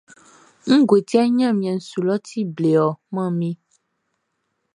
Ngue ti yɛ ɲanmiɛn su lɔʼn ti ble ɔ, manmi?